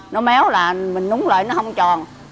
nó méo là mình núng lại nó không tròn